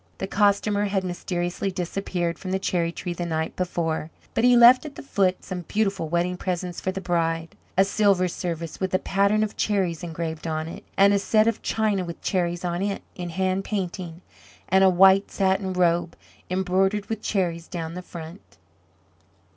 The Costumer had mysteriously disappeared from the cherry tree the night before, but he left at the foot some beautiful wedding presents for the bride a silver service with a pattern of cherries engraved on it, and a set of china with cherries on it, in hand painting, and a white satin robe, embroidered with cherries down the front.